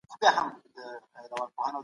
ولي شرم د یو انسان د پرمختګ مخه نیسي؟